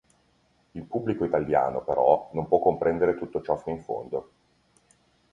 Il pubblico italiano, però, non può comprendere tutto ciò fino in fondo.